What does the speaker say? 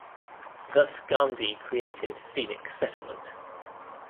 Thus Gandhi created "Phoenix Settlement".